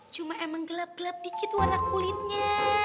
cuma emang gelap gelap dikit warna kulitnya